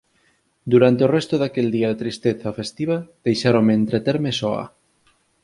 Durante o resto daquel día de tristeza festiva deixáronme entreterme soa.